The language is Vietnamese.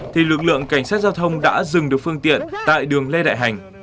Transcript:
thì lực lượng cảnh sát giao thông đã dừng được phương tiện tại đường lê đại hành